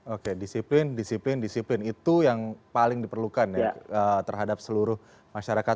oke disiplin disiplin disiplin itu yang paling diperlukan ya terhadap seluruh masyarakat